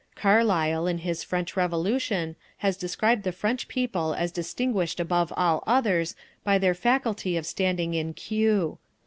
Carlyle, in his French Revolution, has described the French people as distinguished above all others by their faculty of standing in _queue.